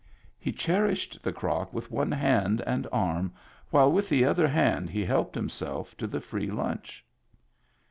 He cherished the crock with one hand and arm while with the other hand he helped himself to the free lunch.